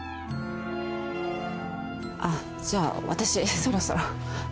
あっじゃあ私そろそろ。